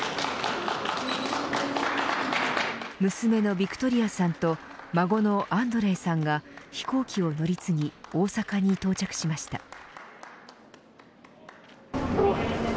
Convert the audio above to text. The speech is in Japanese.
娘のヴィクトリアさんと孫のアンドレイさんが飛行機を乗り継ぎ大阪に到着しました。